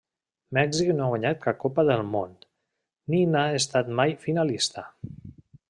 Mèxic no ha guanyat cap Copa del Món, ni n'ha estat mai finalista.